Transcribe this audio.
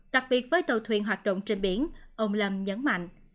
đặc biệt với tàu thuyền hoạt động trên biển ông lâm nhấn mạnh